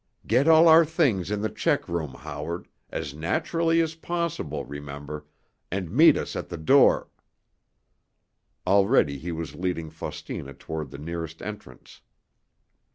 "Get all our things in the check room, Howard—as naturally as possible, remember—and meet us at the door——" Already he was leading Faustina toward the nearest entrance.